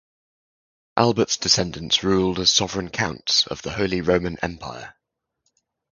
Albert's descendants ruled as sovereign counts of the Holy Roman Empire.